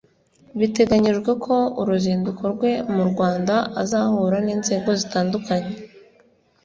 biteganyijwe ko uruzinduko rwe mu Rwanda azahura n’inzego zitandukanye